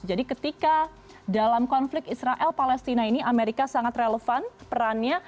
jadi ketika dalam konflik israel palestina ini amerika sangat relevan perannya